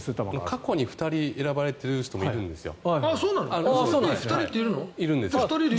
過去に２人選ばれてる人もいるんですよ。